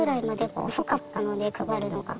もう遅かったので配るのが。